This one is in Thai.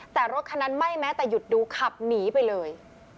แต่รถคันนั้นไม่แม้แต่หยุดดูขับหนีไปเลย